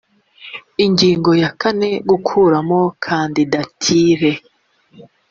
ingingo ya kane gukuramo kandidatire